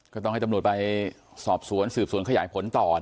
ก็ต้องให้ตำรวจไปสอบสวนสืบสวนขยายผลต่อ